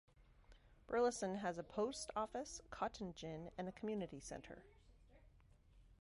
Burlison has a post office, cotton gin, and a community center.